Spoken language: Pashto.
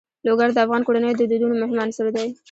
لوگر د افغان کورنیو د دودونو مهم عنصر دی.